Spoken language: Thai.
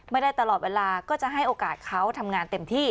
ไม่ได้ตลอดเวลาก็จะให้โอกาสเขาทำงานเต็มที่